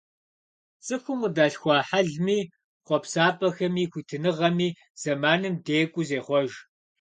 ЦӀыхум къыдалъхуа хьэлми, хъуэпсапӀэхэми, хуитыныгъэми зэманым декӏуу зехъуэж.